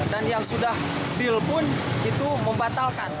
dan yang sudah bil pun itu membatalkan